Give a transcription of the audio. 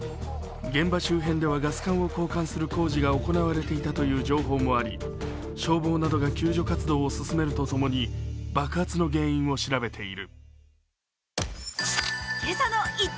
現場周辺ではガス缶を交換する工事が行われていたという情報もあり消防などが救助活動を進めるとともに爆発の原因を調べている。